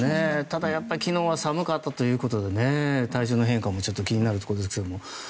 ただ、昨日は寒かったということで体調の変化もちょっと気になるところですが。